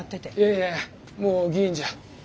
いやいやもう議員じゃ。